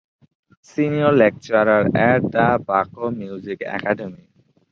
Senior lecturer at the Baku Music Academy.